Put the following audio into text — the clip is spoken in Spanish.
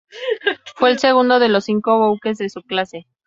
Fue el segundo de los cinco buques de su clase.